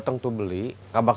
tanya tua berapa